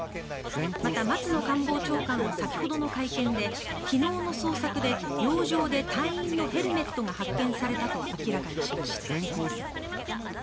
また、松野官房長官は先ほどの会見で昨日の捜索で洋上で隊員のヘルメットが発見されたと明らかにしました。